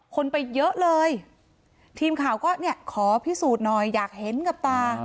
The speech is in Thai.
คนไปเยอะเลยทีมข่าวก็เนี่ยขอพิสูจน์หน่อยอยากเห็นกับตา